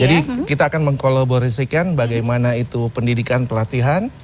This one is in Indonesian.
jadi kita akan mengkolaborasikan bagaimana itu pendidikan pelatihan